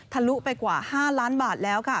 ลุไปกว่า๕ล้านบาทแล้วค่ะ